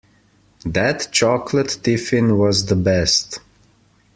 That chocolate tiffin was the best!